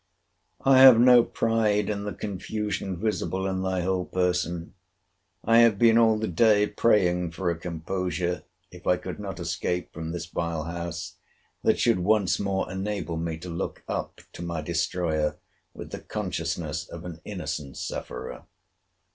I have no pride in the confusion visible in thy whole person. I have been all the day praying for a composure, if I could not escape from this vile house, that should once more enable me to look up to my destroyer with the consciousness of an innocent sufferer.